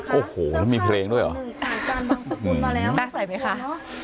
โอ้โหมีเพลงด้วยเหรอหน้าใส่ไหมค่ะ